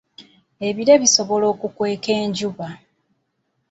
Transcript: Ebire bisobola okukweka enjuba.